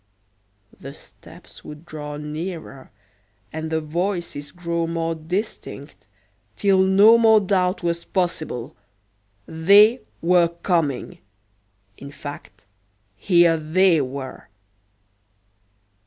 The steps would draw nearer, and the voices grow more distinct, till no more doubt was possible. "They" were coming in fact, here "they" were!